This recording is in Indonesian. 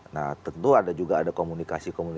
nah tentu ada juga komunikasi